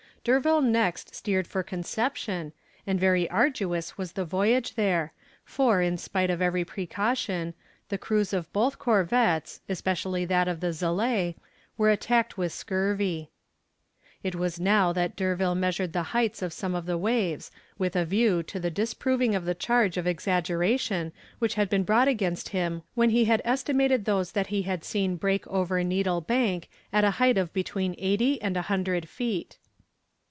D'Urville next steered for Conception, and very arduous was the voyage there, for, in spite of every precaution, the crews of both corvettes, especially that of the Zelée, were attacked with scurvy. It was now that D'Urville measured the heights of some of the waves, with a view to the disproving of the charge of exaggeration which had been brought against him when he had estimated those he had seen break over Needle Bank at a height of between eighty and a hundred feet.